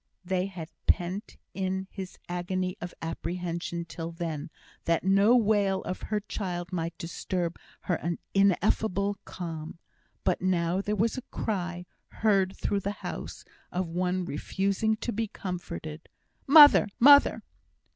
They had pent in his agony of apprehension till then, that no wail of her child might disturb her ineffable calm. But now there was a cry heard through the house, of one refusing to be comforted: "Mother! Mother!"